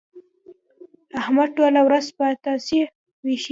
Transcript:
احمد ټوله ورځ پتاسې وېشي.